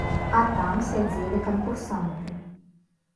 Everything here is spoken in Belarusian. А там сядзелі канкурсанты.